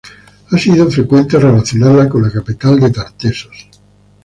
Ha sido frecuente relacionarla con la capital de Tartessos.